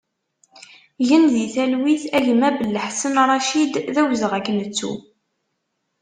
Gen di talwit a gma Bellaḥsen Racid, d awezɣi ad k-nettu!